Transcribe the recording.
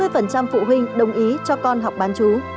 tám mươi phụ huynh đồng ý cho con học bán chú